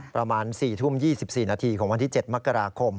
ประมาณ๔ทุ่ม๒๔นาทีของวันที่๗มกราคม